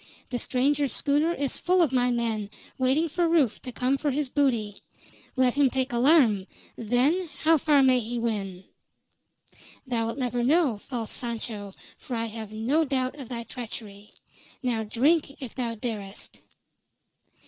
The stranger's schooner is full of my men, waiting for Rufe to come for his booty. Let him take alarm, then how far may he win? Thou'lt never know, false Sancho, for I have no doubt of thy treachery. Now drink, if thou darest!"